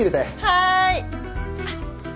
はい！